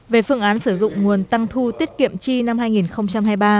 về phương án sử dụng nguồn tăng thu tiết kiệm chi năm hai nghìn hai mươi ba